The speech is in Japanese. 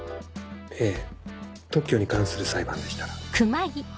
ええ特許に関する裁判でしたら。